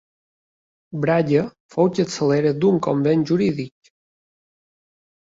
Braga fou capçalera d'un convent jurídic.